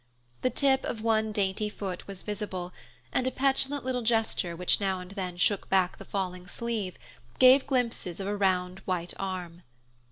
The tip of one dainty foot was visible, and a petulant little gesture which now and then shook back the falling sleeve gave glimpses of a round white arm.